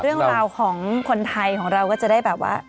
เรื่องราวของคนไทยของเราก็จะได้แบบว่า